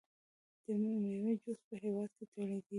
د میوو جوس په هیواد کې تولیدیږي.